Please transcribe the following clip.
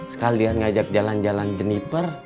sekalian ngajak jalan jalan jeniper